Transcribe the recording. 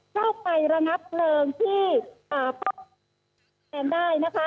เข้าไประนับเบลิงที่อ่าต้นแสนได้นะคะ